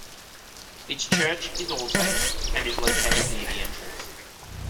Its church is All Saints and is located near the entrance.